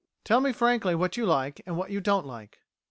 'Tell me frankly what you like and what you don't like.'